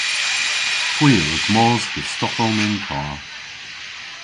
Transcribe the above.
Hwi a wrug mos dhe Stockholm yn karr.